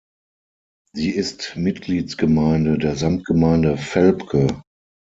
Sie ist Mitgliedsgemeinde der Samtgemeinde Velpke.